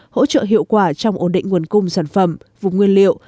hỗ trợ hiệu quả trong ổn định nguồn cung sản phẩm vùng nguyên liệu